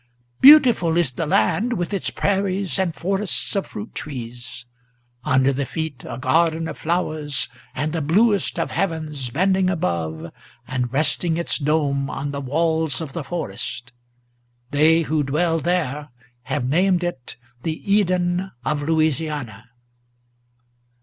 Beautiful is the land, with its prairies and forests of fruit trees; Under the feet a garden of flowers, and the bluest of heavens Bending above, and resting its dome on the walls of the forest. They who dwell there have named it the Eden of Louisiana."